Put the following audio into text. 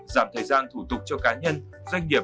giảm thời gian thủ tục cho cá nhân doanh nghiệp